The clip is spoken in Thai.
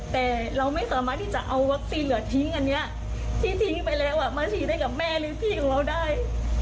แต่เราไม่สามารถที่จะเอาวัคซีนเหลือทิ้งอันนี้ที่ทิ้งไปแล้วมาฉีดให้กับแม่หรือพี่ของเราได้